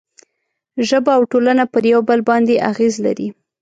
ژبه او ټولنه پر یو بل باندې اغېز لري.